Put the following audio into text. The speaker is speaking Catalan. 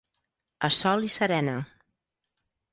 A sol i serena.